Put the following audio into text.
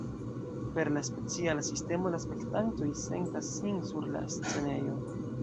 Per la speciala sistemo la spektantoj sentas sin sur la scenejo.